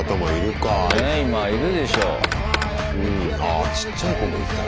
あちっちゃい子もいた。